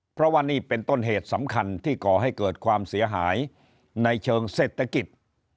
เพราะว่านี่เป็นต้นเหตุสำคัญที่ก่อให้เกิดความเสียหายในเชิงเศรษฐกิจ